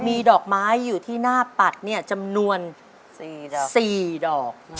มีดอกไม้อยู่ที่หน้าปัดจำนวน๔ดอก